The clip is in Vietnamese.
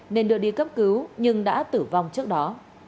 nên đưa đi cấp cứu nhưng đã tử vong trước đó